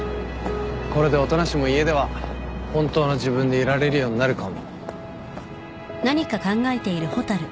これで音無も家では「本当の自分」でいられるようになるかも。